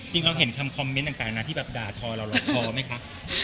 จริงแล้วเห็นคำคอมเม้นต์ต่างนะที่แบบด่าทอเราหรือทอไหมคะ